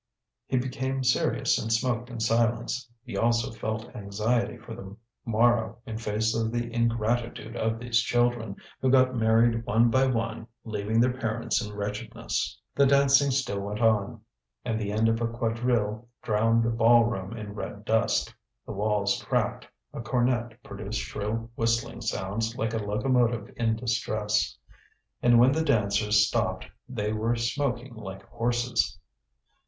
He became serious and smoked in silence. He also felt anxiety for the morrow in face of the ingratitude of these children, who got married one by one leaving their parents in wretchedness. The dancing still went on, and the end of a quadrille drowned the ball room in red dust; the walls cracked, a cornet produced shrill whistling sounds like a locomotive in distress; and when the dancers stopped they were smoking like horses.